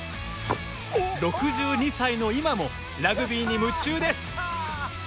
６２歳の今もラグビーに夢中です。